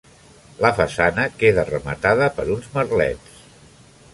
La façana queda rematada per uns merlets.